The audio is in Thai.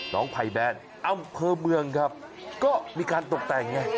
น้องไพแบนอำเพิ่มเมืองครับก็มีการตกแต่งไง